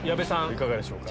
いかがでしょうか？